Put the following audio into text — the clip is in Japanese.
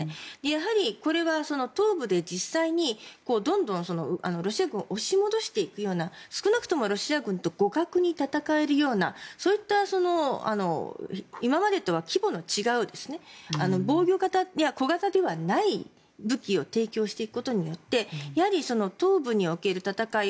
やはり、これは東部で実際にどんどんロシア軍を押し戻していくような少なくともロシア軍と互角に戦えるようなそういった今までとは規模の違う防御型や小型ではない武器を提供していくことによって東部における戦い